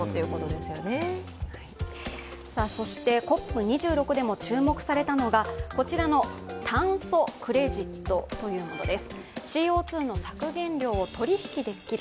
ＣＯＰ２６でも注目されたのが炭素クレジットというものです。